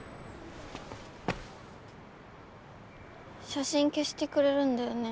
写真消してくれるんだよね？